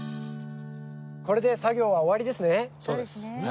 これで作業は終わりですね？